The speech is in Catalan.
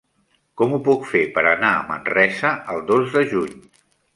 Com ho puc fer per anar a Manresa el dos de juny?